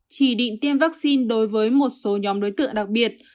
chỉ định tiêm vaccine đối với một số nhóm đối tượng đặc biệt